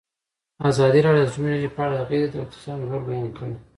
ازادي راډیو د اټومي انرژي په اړه د غیر دولتي سازمانونو رول بیان کړی.